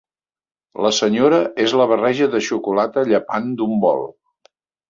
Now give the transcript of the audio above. La senyora és la barreja de xocolata llepant d'un bol.